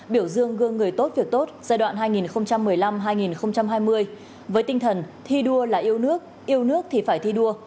biểu dương gương người tốt việc tốt giai đoạn hai nghìn một mươi năm hai nghìn hai mươi với tinh thần thi đua là yêu nước yêu nước thì phải thi đua